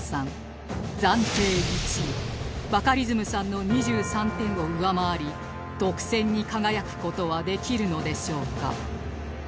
暫定１位バカリズムさんの２３点を上回り特選に輝く事はできるのでしょうか